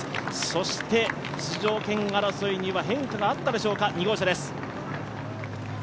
そして出場権争いには変化があったたでしょうか。